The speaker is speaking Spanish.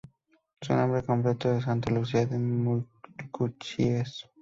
Su nombre completo es Santa Lucía de Mucuchíes.